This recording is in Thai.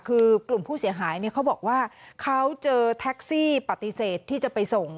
คือกลุ่มผู้เสียหายเนี่ยเขาบอกว่าเขาเจอแท็กซี่ปฏิเสธที่จะไปส่ง